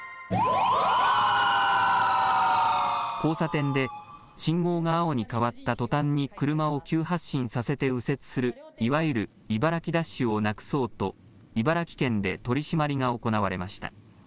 交差点で、信号が青に変わったとたんに車を急発進させて右折する、いわゆる茨城ダッシュをなくそうと、茨城県で取締りが行われました。